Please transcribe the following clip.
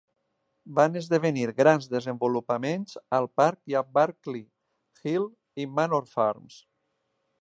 Van esdevenir grans desenvolupaments al Park i a Brackley, Hill i Manor Farms.